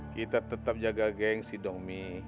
kita tetap jaga gengsi dong mi